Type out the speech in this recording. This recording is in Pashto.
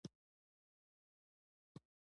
د افغان په قتل اخلی، سره پونډونه شنی ډالری